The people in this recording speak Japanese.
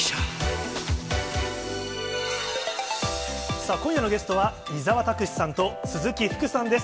さあ、今夜のゲストは伊沢拓司さんと、鈴木福さんです。